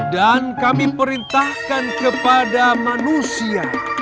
dan kami perintahkan kepada manusia